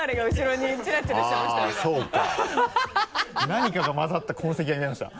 何かが混ざった痕跡が見えました。